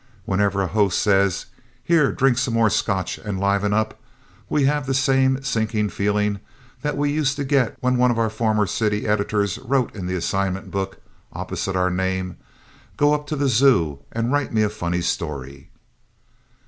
Whenever a host says "Here, drink some more Scotch and liven up" we have the same sinking feeling that we used to get when one of our former city editors wrote in the assignment book opposite our name: "Go up to the zoo and write me a funny story."